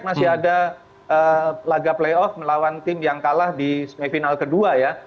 masih ada laga playoff melawan tim yang kalah di semifinal kedua ya